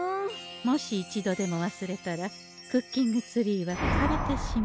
もし一度でも忘れたらクッキングツリーはかれてしまう。